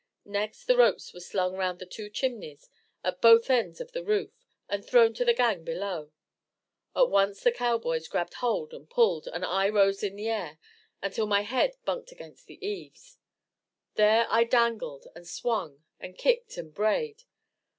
Next the ropes were slung round the two chimneys at both ends of the roof, and thrown to the gang below. At once the cowboys grabbed hold and pulled, and I rose in the air, until my head bunked against the eaves. There I dangled and swung and kicked and brayed.